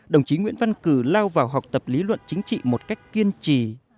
đồng chí nguyễn văn cử lao vào học tập lý luận chính trị một cách kiên trì